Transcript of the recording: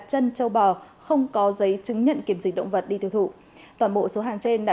chân châu bò không có giấy chứng nhận kiểm dịch động vật đi tiêu thụ toàn bộ số hàng trên đã